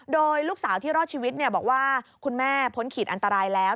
โดยลูกสาวที่รอดชีวิตบอกว่าคุณแม่พ้นขีดอันตรายแล้ว